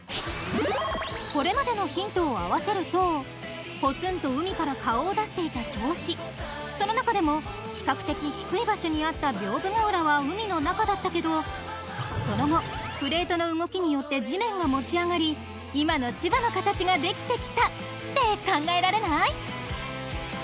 これまでのヒントを合わせるとぽつんと海から顔を出していた銚子その中でも比較的低い場所にあった屏風ヶ浦は海の中だったけどその後プレートの動きによって地面が持ち上がり今の千葉の形が出来てきたって考えられない？